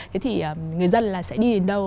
thế thì người dân là sẽ đi đến đâu